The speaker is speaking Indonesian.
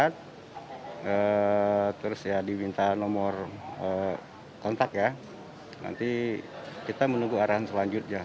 terima kasih pak